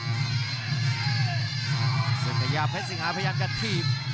คุณศึกกระยาเพชรสิงหาพยายามจะทีบ